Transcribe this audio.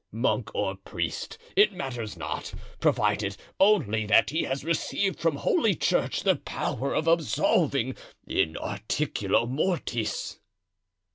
Monk or priest, it matters not, provided only that he has received from holy church the power of absolving in articulo mortis."